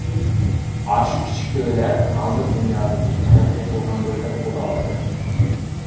ئاشۇ كىچىك دۆلەت ھازىر دۇنيادىكى تەرەققىي قىلغان دۆلەت بولالىدى.